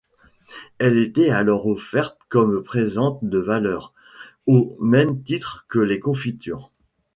Elle était alors offerte comme présent de valeur, au même titre que les confitures.